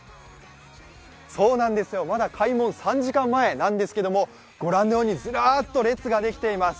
そうなんですよ、まだ開門３時間前なんですけれどもご覧のように、ずらっと列ができています。